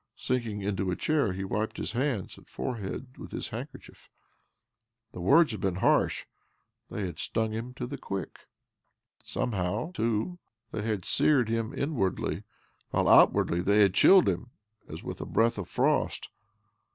Sinking into a chair, he wiped his hands 230 OBLOMOV and forehead with his handkerchief. The words had been harsh— they had stung, him to the quick, Somehow, too, they had seared him inwardly, while outwardly thfey had chilled him as with a breath of frost.